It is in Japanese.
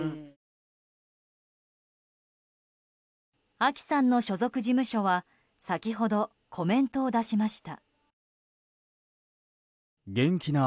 あきさんの所属事務所は先ほどコメントを出しました。